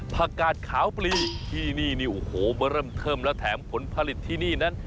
กาดขาวปลีที่นี่นี่โอ้โหมาเริ่มเทิมแล้วแถมผลผลิตที่นี่นั้น